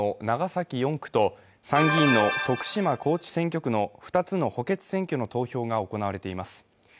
衆議院の長崎４区と参議院の徳島・高知選挙区のつの補欠選挙の投票が行われています。